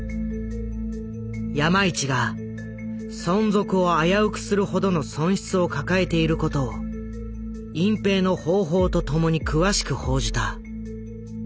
山一が存続を危うくするほどの損失を抱えていることを隠蔽の方法とともに詳しく報じた。